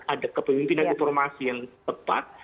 ada kepemimpinan informasi yang tepat